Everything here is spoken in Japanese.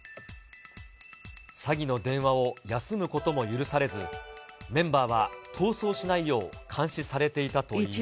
詐欺の電話を休むことも許されず、メンバーは逃走しないよう、監視されていたといいます。